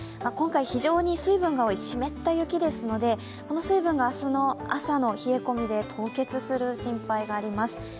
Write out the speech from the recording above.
今回、非常に水分が多い湿った雪ですのでこの水分が明日の朝の冷え込みで凍結する心配があります。